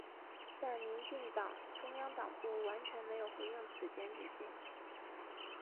但民进党中央党部完全没有回应此检举信。